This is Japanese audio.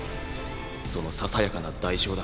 そのささやかな代償だ。